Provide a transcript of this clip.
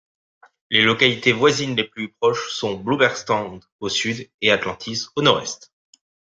Les localités voisines les plus proches sont Bloubergstrand au sud et Atlantis au nord-est.